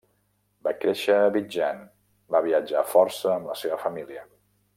Va créixer a Abidjan, va viatjar força amb la seva família.